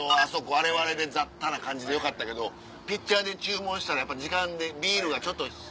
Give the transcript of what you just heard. あれはあれで雑多な感じでよかったけどピッチャーで注文したら時間でビールがちょっと。